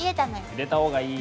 入れた方がいい。